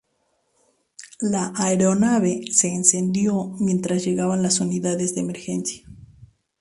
La aeronave se incendió mientras llegaban las unidades de emergencia.